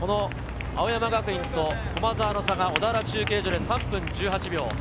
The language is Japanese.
青山学院と駒澤の差が小田原中継所で３分１８秒。